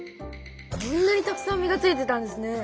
こんなにたくさん実がついてたんですね。